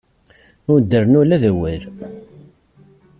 Ur d-rennu ula d awal.